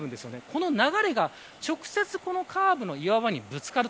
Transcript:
この流れが直接カーブの岩場にぶつかる。